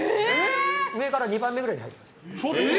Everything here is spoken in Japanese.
上から２番目ぐらいに入ってます。